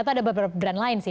atau ada beberapa brand lain sih